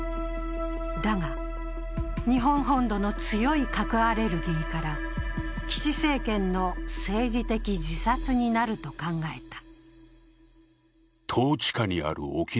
だが日本本土の強い核アレルギーから、岸政権の政治的自殺になると考えた。